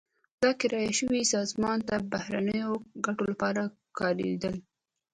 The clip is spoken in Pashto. دا کرایه شوې سازمان د بهرنیو ګټو لپاره کارېدل.